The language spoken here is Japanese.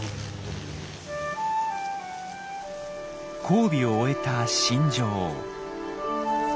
交尾を終えた新女王。